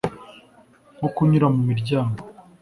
nko kunyura mu miryango